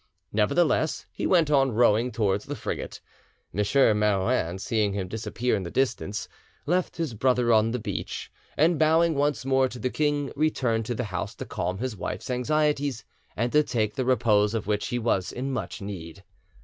Nevertheless, he went on rowing towards the frigate. M. Marouin seeing him disappear in the distance, left his brother on the beach, and bowing once more to the king, returned to the house to calm his wife's anxieties and to take the repose of which he was in much need.